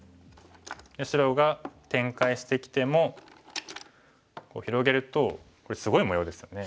白が展開してきても広げるとこれすごい模様ですよね。